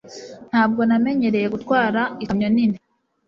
Ntabwo namenyereye gutwara ikamyo nini.